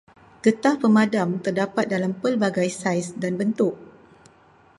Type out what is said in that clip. Getah pemadam terdapat dalam pelbagai saiz dan bentuk.